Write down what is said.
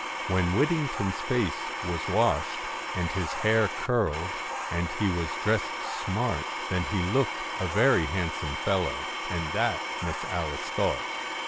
When Whittington's face was washed, and his hair curled, and he was dressed smart, then he looked a very handsome fellow, and that Miss Alice thought.